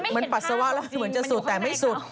มันปัสสาวะแล้วเหมือนจะสุดแต่ไม่สุด